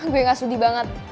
gue gak sudi banget